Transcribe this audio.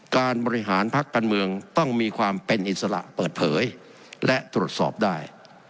การบริหารพักการเมืองต้องมีความเป็นอิสระเปิดเผยและตรวจสอบได้